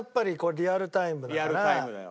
リアルタイムだよ。